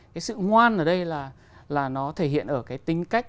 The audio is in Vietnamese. cái sự ngoan ở đây là nó thể hiện ở cái tính cách